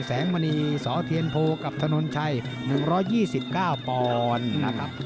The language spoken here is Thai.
แสงมณีสอเทียนโพกับถนนชัย๑๒๙ปอนด์